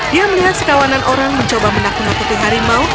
dia melihat sekawanan orang mencoba menakut nakuti harimau